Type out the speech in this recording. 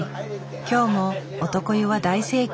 今日も男湯は大盛況。